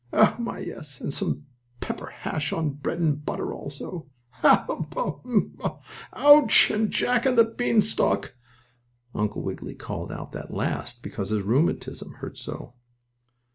Oh my, yes, and some pepper hash on bread and butter also! Ha! Hum! Oh my! Ouch! and Jack and the Bean Stalk!" Uncle Wiggily called out that last because his rheumatism hurt so.